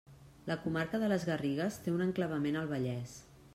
La comarca de les Garrigues té un enclavament al Vallès.